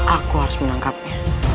aku harus menangkapnya